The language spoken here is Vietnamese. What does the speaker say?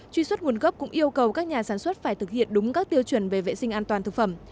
truy xuất nguồn gốc cũng yêu cầu các nhà sản xuất phải thực hiện đúng các tiêu chuẩn về vệ sinh an toàn thực phẩm